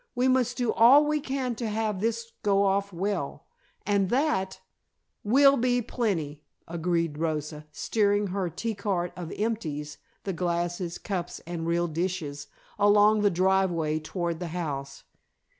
"We must do all we can to have this go off well, and that " "Will be plenty," agreed Rosa, steering her tea cart of "empties" (the glasses, cups and real dishes) along the driveway toward the house.